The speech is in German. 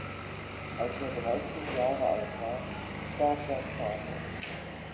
Als er dreizehn Jahre alt war, starb sein Vater.